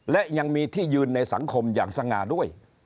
และยังมีที่ยืนในสังคมอย่างสง่าด้วย